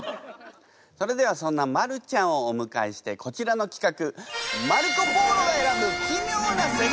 それではそんなマルちゃんをお迎えしてこちらの企画。